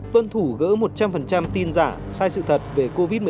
tuân thủ gỡ một trăm linh tin giả sai sự thật về covid một mươi chín